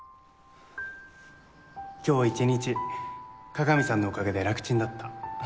今日一日加賀美さんのおかげで楽ちんだった